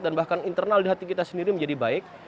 dan bahkan internal di hati kita sendiri menjadi baik